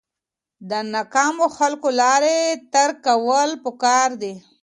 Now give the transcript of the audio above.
د ناکامو خلکو لارې ترک کول پکار دي.